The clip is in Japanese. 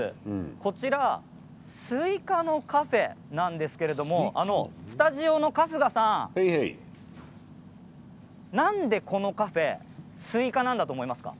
こちらはスイカのカフェなんですけれどスタジオの春日さんなんで、このカフェスイカだと思いますか？